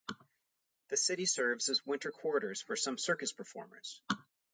The city serves as winter quarters for some circus performers.